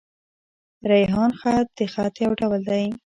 ریحان خط؛ د خط يو ډول دﺉ.